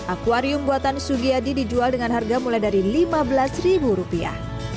akwarium buatan sugi adi dijual dengan harga mulai dari lima belas rupiah